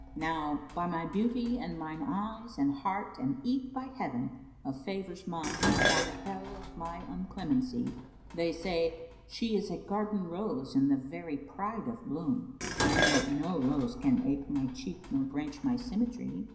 Now by my beauty and mine eyes and heart and eke by Heaven * Of favours mine and by the Hell of my unclemency, They say 'She is a garden rose in very pride of bloom'; * And yet no rose can ape my cheek nor branch my symmetry!